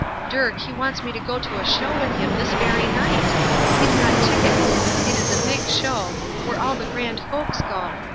Dirk he wants me to go to a show with him this very night! He's got tickets. It is a big show, where all the grand folks go.